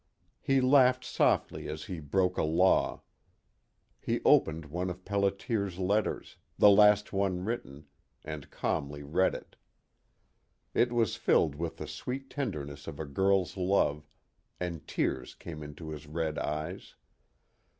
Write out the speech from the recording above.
He laughed softly as he broke a law. He opened one of Pelliter's letters the last one written and calmly read it. It was filled with the sweet tenderness of a girl's love, and tears came into his red eyes.